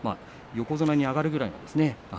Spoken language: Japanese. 横綱に上がるくらいですからね。